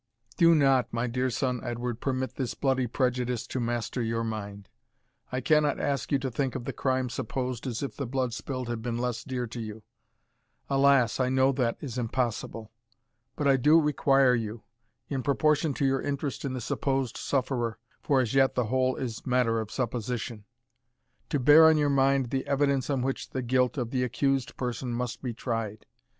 Do not, my dear son Edward, permit this bloody prejudice to master your mind. I cannot ask you to think of the crime supposed as if the blood spilled had been less dear to you Alas! I know that is impossible. But I do require you, in proportion to your interest in the supposed sufferer, (for as yet the whole is matter of supposition,) to bear on your mind the evidence on which the guilt of the accused person must be tried.